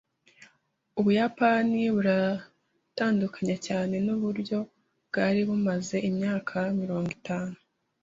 Ubuyapani buratandukanye cyane. nuburyo bwari bumaze imyaka mirongo itanu .